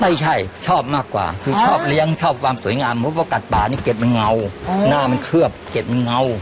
ชอบมากกว่าคือชอบเลี้ยงชอบความสวยงามเพราะว่ากัดป่านี่เด็ดมันเงาหน้ามันเคลือบเกร็ดมันเงา